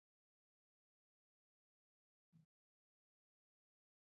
کابل د افغانستان پلازمېنه ده بېلګه ده.